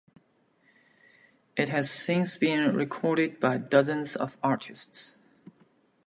It has since been recorded by dozens of artists.